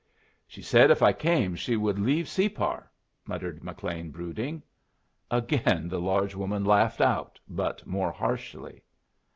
"She said if I came she would leave Separ," muttered McLean, brooding. Again the large woman laughed out, but more harshly.